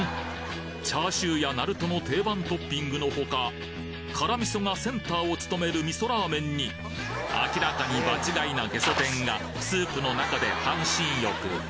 チャーシューやなるとの定番トッピングのほか辛味噌がセンターを務める味噌ラーメンに明らかに場違いなゲソ天がスープの中で半身浴